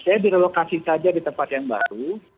saya direlokasi saja di tempat yang baru